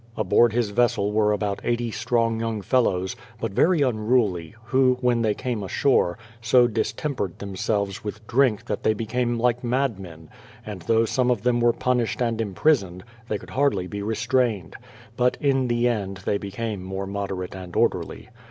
Aboard his vessel were about 80 strong young fellows, but very unruly, who, when they came ashore, so distempered themselves with drink that they be came like madmen ; and though some of them were pun ished and imprisoned, they could hardly be restrained; but in the end they became more moderate and orderly.